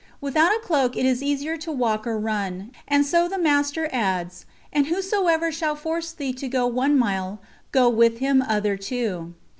Without a cloak it is easier to walk or run, and so the Master adds: "And whosoever shall force thee to go one mile, go with him other two."